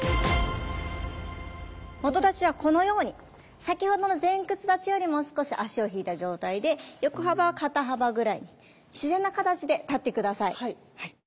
基立ちはこのように先ほどの前屈立ちよりも少し足を引いた状態で横幅は肩幅ぐらいに自然な形で立って下さい。